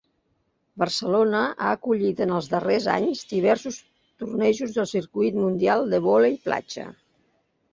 Barcelona ha acollit en els darrers anys diversos tornejos del Circuit Mundial de vòlei platja.